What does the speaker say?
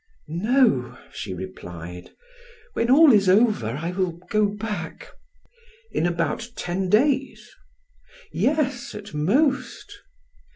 "No," she replied; "when all is over, I will go back." "In about ten days?" "Yes, at most."